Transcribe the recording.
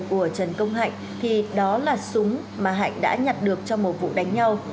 của trần công hạnh thì đó là súng mà hạnh đã nhặt được trong một vụ đánh nhau